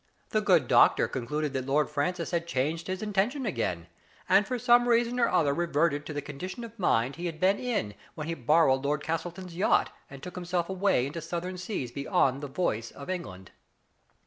The good doctor concluded that Lord Francis had changed his intention again, and for some reason or other reverted to the condition of mind he had been in when he borrowed Lord Gastleton*s yacht, and took him self away into southern seas beyond the voice of England.